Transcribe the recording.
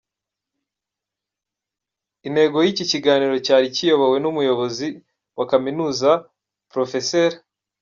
Intego yiki kiganiro cyari kiyobowe numuyobozi wa Kaminuza Pr.